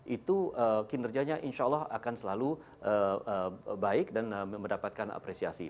itu kinerjanya insya allah akan selalu baik dan mendapatkan apresiasi